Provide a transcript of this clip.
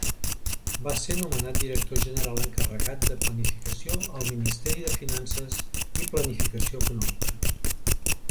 Va ser nomenat director general encarregat de planificació al Ministeri de Finances i Planificació Econòmica.